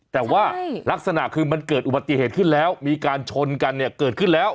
แต่ว่าลักษณะคือมันเกิดอุบัติเหตุขึ้นแล้วมีการชนกันเนี่ยเกิดขึ้นแล้ว